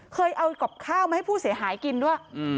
เคยเอากับข้าวมาให้ผู้เสียหายกินด้วย